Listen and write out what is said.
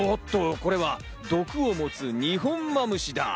これは、毒を持つニホンマムシだ。